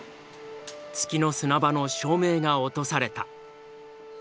「月の砂場」の照明が落とされた。